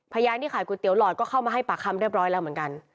พยานที่ขายก๋วเตี๋หลอดก็เข้ามาให้ปากคำเรียบร้อยแล้วเหมือนกัน